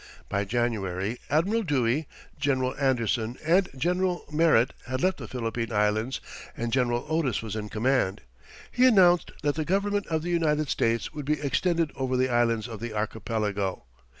By January, Admiral Dewey, General Anderson and General Merritt had left the Philippine Islands and General Otis was in command. He announced that the government of the United States would be extended over the islands of the archipelago.